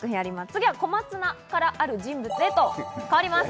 次は小松菜からある人物へと変わります。